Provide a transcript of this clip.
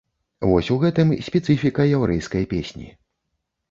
Вось у гэтым спецыфіка яўрэйскай песні.